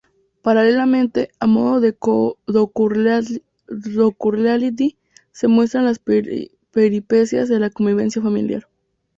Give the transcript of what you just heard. Paralelamente, a modo de docu-reality, se muestran las peripecias de la convivencia familiar.